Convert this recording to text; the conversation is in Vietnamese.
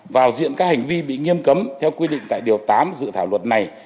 vào diện các hành vi bị nghiêm cấm theo quy định tại điều tám dự thảo luật này